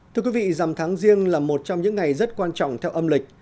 thưa quý vị dằm tháng riêng là một trong những ngày rất quan trọng theo âm lịch